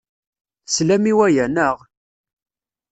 Teslam i waya, naɣ?